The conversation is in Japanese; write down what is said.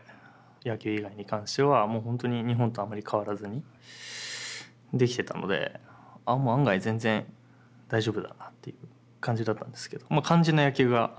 野球以外に関してはもう本当に日本とあまり変わらずにできてたので案外全然大丈夫だなっていう感じだったんですけど。